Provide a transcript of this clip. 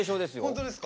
本当ですか。